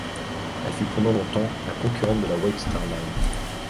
Elle fut pendant longtemps la concurrente de la White Star Line.